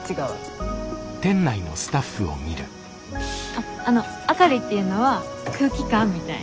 あっあの明るいっていうのは空気感みたいな。